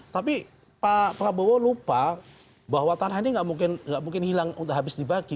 tapi pak prabowo lupa bahwa tanah ini nggak mungkin hilang untuk habis dibagi